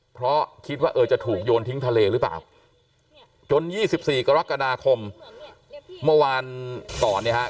เพราะคิดว่าเออจะถูกโยนทิ้งทะเลหรือเปล่าจน๒๔กรกฎาคมเมื่อวานก่อนเนี่ยฮะ